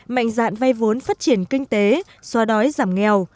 mạnh dạn vay vốn phát triển kinh tế xoa đói giảm nghèo